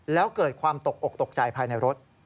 แล้วเกิดความตกอกตกใจภายในรถ